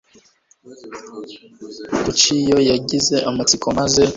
luciyo yagize amatsiko maze